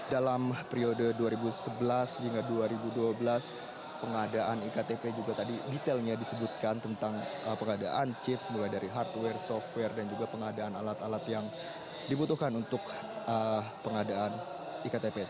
dalam periode dua ribu sebelas hingga dua ribu dua belas pengadaan iktp juga tadi detailnya disebutkan tentang pengadaan chips mulai dari hardware software dan juga pengadaan alat alat yang dibutuhkan untuk pengadaan iktp